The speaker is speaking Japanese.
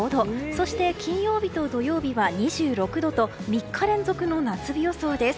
そして、金曜日と土曜日は２６度と３日連続の夏日予想です。